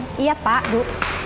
siap pak bu